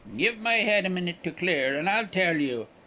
Give my head a minute to clear, and I'll tell you.